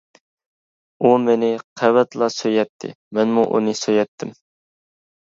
ئۇ مېنى قەۋەتلا سۆيەتتى، مەنمۇ ئۇنى سۆيەتتىم.